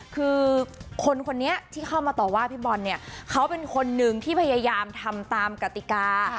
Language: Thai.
คือคนคนนี้ที่เข้ามาต่อว่าพี่บอลเนี่ยเขาเป็นคนนึงที่พยายามทำตามกติกา